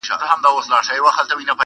په ښکاره یې اخیستله رشوتونه!.